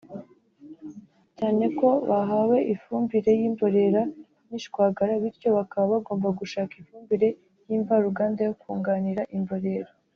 cyane ko bahawe ifumbire y’imborera n’ishwagara bityo bakaba bagomba gushaka ifumbire y’imvaruganda yo kunganira imborera